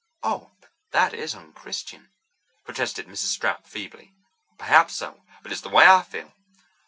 "Oh, but that is unchristian!" protested Mrs. Stapp feebly. "Perhaps so, but it's the way I feel.